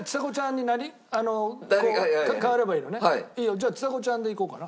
じゃあちさ子ちゃんでいこうかな。